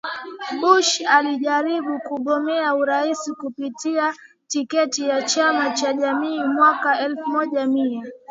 Bush alijaribu kugombea urais kupitia tiketi ya chama cha jamii mwaka elfu moja mia